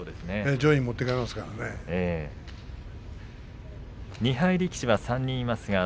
上位に持っていかれますからね。